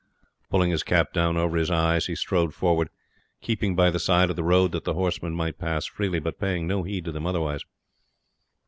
Pulling his cap down over his eyes, he strode forward, keeping by the side of the road that the horsemen might pass freely, but paying no heed to them otherwise.